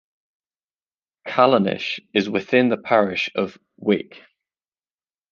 Callanish is within the parish of Uig.